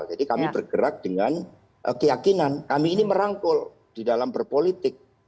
jadi kami bergerak dengan keyakinan kami ini merangkul di dalam berpolitik